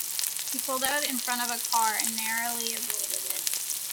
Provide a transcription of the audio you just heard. He pulled out in front of a car and narrowly avoided it.